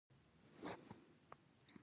دښتې د افغانستان د انرژۍ سکتور برخه ده.